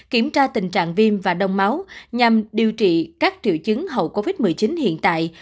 kiểm tra tình trạng viêm và đông máu nhằm điều trị các triệu chứng hậu covid một mươi chín hiện tại